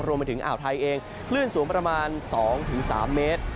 รวมไปถึงอ่าวไทยเองคลื่นสูงประมาณ๒๓เมตร